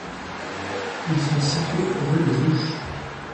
Ils sont situés rue des Ouches.